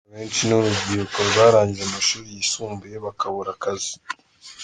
Kandi abenshi ni urubyiruko rwarangije amashuri yisumbuye bakabura akazi.